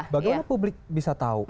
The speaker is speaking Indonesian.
bagaimana publik bisa tahu